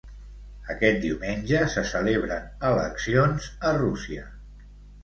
Aquest diumenge se celebren eleccions a Rússia.